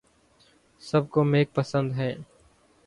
سب کو میک پسند ہیں